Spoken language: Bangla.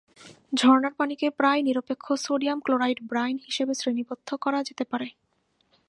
ঝরনার পানি কে প্রায়-নিরপেক্ষ সোডিয়াম ক্লোরাইড ব্রাইন হিসেবে শ্রেণীবদ্ধ করা যেতে পারে।